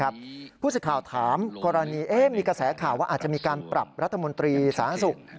ผู้สื่อข่าวถามกรณีมีกระแสข่าวว่าอาจจะมีการปรับรัฐมนตรีสาธารณสุข